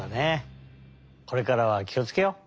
これからはきをつけよう！